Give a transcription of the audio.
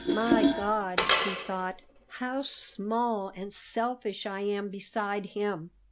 "My God!" he thought; "how small and selfish I am beside him!